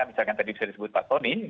misalkan tadi bisa disebut pak tony